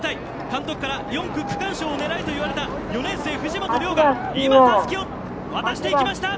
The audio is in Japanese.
監督から４区区間賞を狙えと言われた４年生の藤本竜がたすきを渡しました。